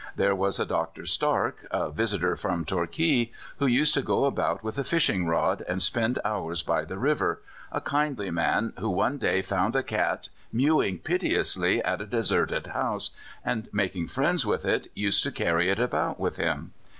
There was a Dr. Starke, a visitor from Torquay, who used to go about with a fishing rod, and spend hours by the river a kindly man, who one day found a cat mewing piteously at a deserted house, and, making friends with it, used to carry it about with him.